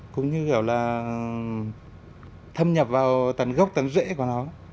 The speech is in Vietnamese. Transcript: cũng như kiểu là thâm nhập vào tầng gốc tầng rễ của nó